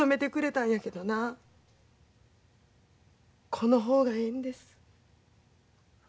この方がええんです。